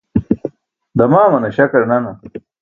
Damaamana śakar nana.